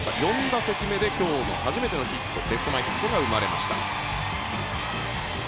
４打席目で今日の初めてのヒットレフト前ヒットが生まれました。